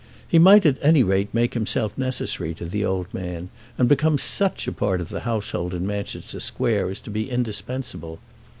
He might at any rate make himself necessary to the old man, and become such a part of the household in Manchester Square as to be indispensable.